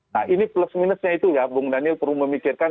nah ini plus minusnya itu ya bung daniel perlu memikirkan